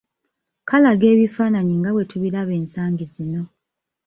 Kalaga ebifaananyi nga bwe tubiraba ensangi zino